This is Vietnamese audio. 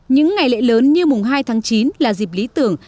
những ngày lễ lớn như mùng hai tháng chín là dịp lý tưởng